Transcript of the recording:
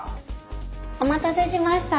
お待たせしました。